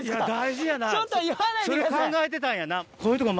大事やなそれ考えてたんやな。